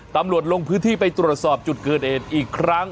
ลงพื้นที่ไปตรวจสอบจุดเกิดเหตุอีกครั้ง